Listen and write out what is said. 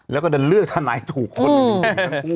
แล้วก็จะเลือกทนายถูกคู่